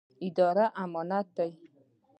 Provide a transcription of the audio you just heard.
اداره امانت دی